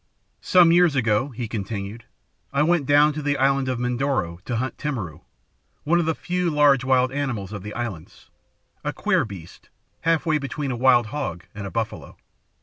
"Some years ago," he continued, "I went down to the island of Mindoro to hunt 'timarau,' one of the few large wild animals of the islands a queer beast, half way between a wild hog and a buffalo.